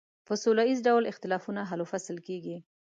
په سوله ایز ډول اختلافونه حل و فصل کیږي.